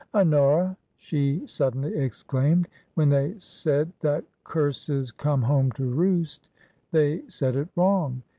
" Honora," she suddenly exclaimed, "when they said that * Curses come home to roost,' they said it wrong.